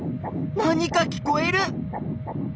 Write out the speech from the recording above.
何か聞こえる！